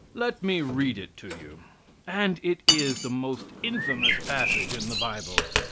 Let me read it to you. And it is the most infamous passage in the Bible.